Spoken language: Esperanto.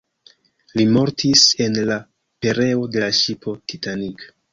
Li mortis en la pereo de la ŝipo Titanic.